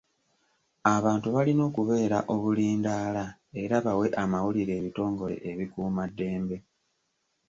Abantu balina okubeera obulindaala era bawe amawulire ebitongole ebikuumaddembe.